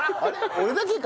俺だけか？